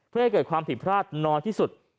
เพื่อให้เกิดความผิดพลาดน้อยที่สุด